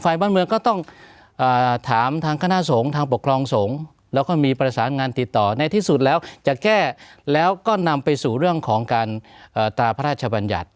บ้านเมืองก็ต้องถามทางคณะสงฆ์ทางปกครองสงฆ์แล้วก็มีประสานงานติดต่อในที่สุดแล้วจะแก้แล้วก็นำไปสู่เรื่องของการตราพระราชบัญญัติ